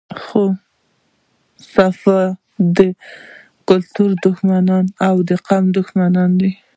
خو صفا د کلتور دښمني او قام دښمني ده